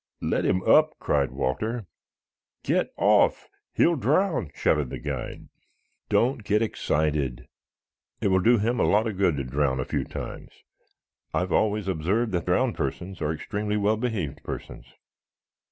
"Let him up!" cried Walter. "Get off! He'll drown!" shouted the guide. "Don't get excited. It will do him a lot of good to drown a few times. I've always observed that drowned persons are extremely well behaved persons."